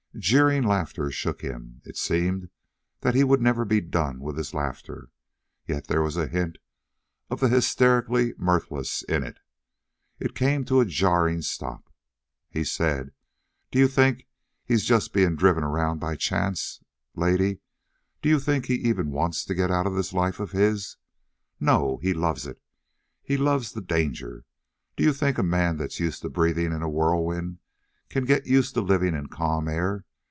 Jeering laughter shook him; it seemed that he would never be done with his laughter, yet there was a hint of the hysterically mirthless in it. It came to a jarring stop. He said: "D'you think he's just bein' driven around by chance? Lady, d'you think he even wants to get out of this life of his? No, he loves it! He loves the danger. D'you think a man that's used to breathing in a whirlwind can get used to living in calm air?